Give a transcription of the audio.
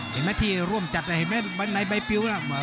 เห็นไหมที่ร่วมจัดในใบปิ๊วนะ